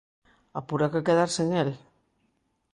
Apura que quedas sen el!